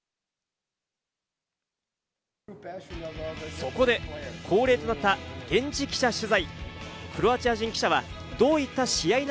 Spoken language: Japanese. そこで恒例となった現地記者取材。